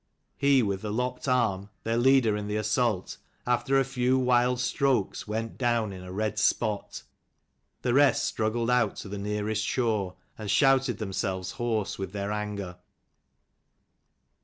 He with the lopped arm, their leader in the assault, after a few wild strokes went down in a red spot. The rest struggled out, to the nearest shore, and shouted them selves hoarse with their anger.